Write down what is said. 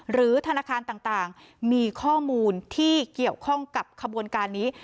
หรือธนาคารต่างมีข้อมูลที่เกี่ยวข้องกับขบวนการนี้